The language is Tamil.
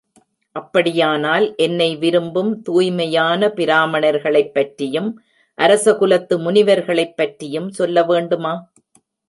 அப்படியானால் என்னை விரும்பும் தூய்மையான பிராமணர்களைப் பற்றியும் அரசகுலத்து முனிவர்களைப் பற்றியும் சொல்ல வேண்டுமா?